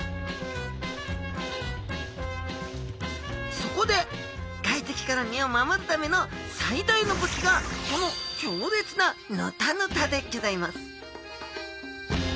そこで外敵から身を守るための最大の武器がこのきょうれつなヌタヌタでギョざいます